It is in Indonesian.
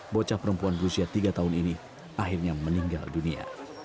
bocah perempuan berusia tiga tahun ini akhirnya meninggal dunia